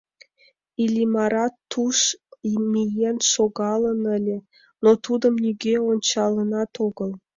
Иллимарат туш миен шогалын ыле, но тудым нигӧ ончалынат огыл.